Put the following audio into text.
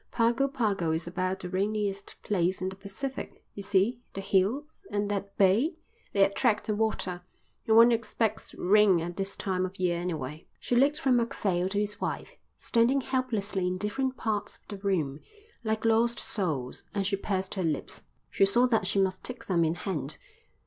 Pago Pago is about the rainiest place in the Pacific. You see, the hills, and that bay, they attract the water, and one expects rain at this time of year anyway." She looked from Macphail to his wife, standing helplessly in different parts of the room, like lost souls, and she pursed her lips. She saw that she must take them in hand.